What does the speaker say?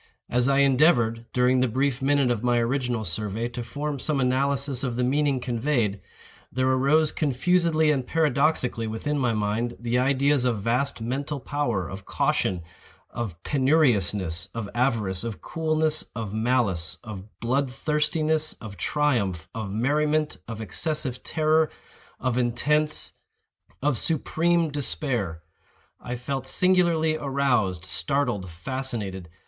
As I endeavored, during the brief minute of my original survey, to form some analysis of the meaning conveyed, there arose confusedly and paradoxically within my mind, the ideas of vast mental power, of caution, of penuriousness, of avarice, of coolness, of malice, of blood thirstiness, of triumph, of merriment, of excessive terror, of intense—of supreme despair. I felt singularly aroused, startled, fascinated.